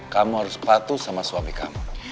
kamu harus patuh sama suami kamu